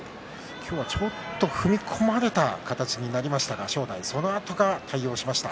今日はちょっと踏み込まれた形になりましたが正代、そのあと対応しました。